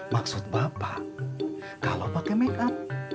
maksud bapak kalau pakai make up